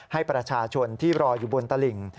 ให้ประชาชนที่รออยู่บนตลิ่ง